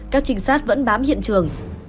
các trinh sát vẫn bám hiện trường